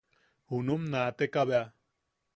Junum naatekabea.